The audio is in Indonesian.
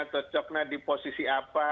cocoknya di posisi apa